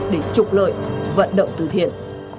để trục lợi vận động từ thiện